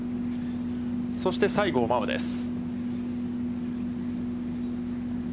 そして西郷真央です。